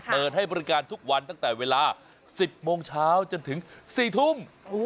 เปิดให้บริการทุกวันตั้งแต่เวลา๑๐โมงเช้าจนถึง๔ทุ่ม